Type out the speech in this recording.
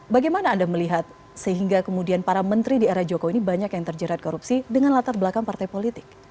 bagaimana anda melihat sehingga kemudian para menteri di era jokowi ini banyak yang terjerat korupsi dengan latar belakang partai politik